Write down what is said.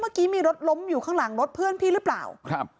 เมื่อกี้มีรถล้มอยู่ข้างหลังรถเพื่อนพี่หรือเปล่าครับ